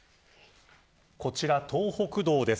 こちら、東北道です。